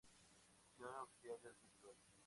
Sección oficial del festival.